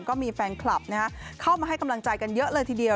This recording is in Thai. ก็มีแฟนคลับเข้ามาให้กำลังใจกันเยอะเลยทีเดียว